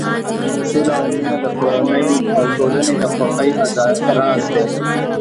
سوله او مینه د کورنۍ او ټولنې د خوښۍ راز دی.